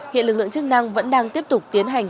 hiện lực lượng chức năng vẫn đang tiếp tục tiến hành